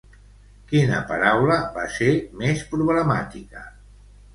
Quina paraula va ser més problemàtica?